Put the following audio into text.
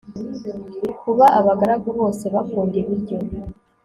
kuba abagaragu bose bakunda ibiryo